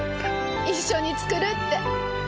一緒に作るって。